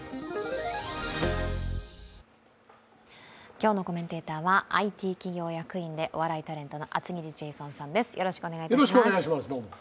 今日のコメンテーターはＩＴ企業役員でお笑いタレントの厚切りジェイソンさんです。